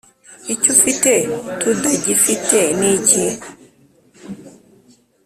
Icyo ufite tudafite ni iki?